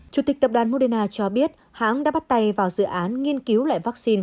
chủ tịch tập đoàn moderna cho biết hãng đã bắt tay vào dự án nghiên cứu lại vaccine